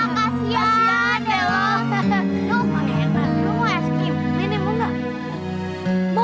tahu nih kayaknya sucking up anda